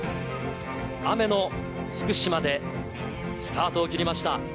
雨の福島で、スタートを切りました。